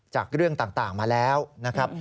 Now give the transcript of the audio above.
จากเรื่องต่างมาแล้วนะครับ